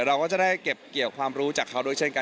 เราก็จะได้เก็บเกี่ยวความรู้จากเขาด้วยเช่นกัน